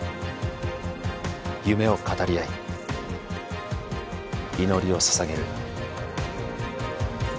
夢を語り合い祈りをささげる。